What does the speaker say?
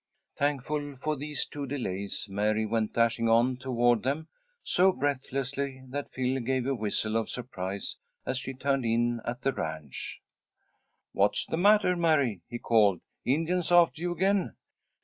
Thankful for these two delays, Mary went dashing on toward them so breathlessly that Phil gave a whistle of surprise as she turned in at the ranch. "What's the matter, Mary?" he called. "Indians after you again?"